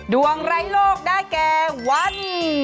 ดวงไร้โลกได้แกวัน